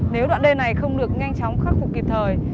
nếu đoạn đê này không được nhanh chóng khắc phục kịp thời